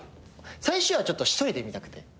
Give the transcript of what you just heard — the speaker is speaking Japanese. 最終話はちょっと一人で見たくて。